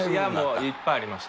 いっぱいありました。